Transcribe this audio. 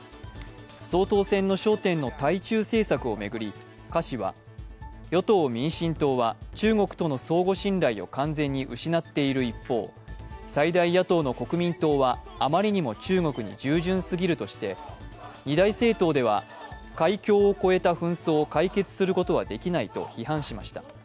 総統選の焦点の対中政策を巡り柯氏は与党・民進党は中国との相互信頼を完全に失っている一方、最大野党の国民党はあまりにも中国に従順すぎるとして二大政党では、海峡を越えた紛争を解決することはできないと批判しました。